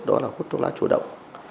đó là hút thuốc lá chủ yếu